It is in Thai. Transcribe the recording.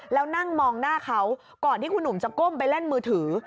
แล้วนั่งมองหน้าเขาก่อนที่คุณหนุ่มจะก้มไปเล่นมือถือ